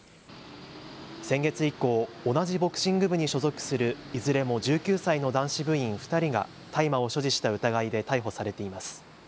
先月以降、同じボクシング部に所属するいずれも１９歳の男子部員２人が大麻を所持した疑いで逮捕されています。